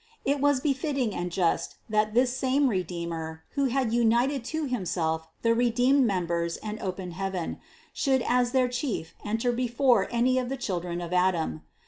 It was befitting and just, that this same Re deemer, who had united to Himself the redeemed mem 274 CITY OF GOD bers and opened heaven, should as their Chief enter be fore any of the children of Adam.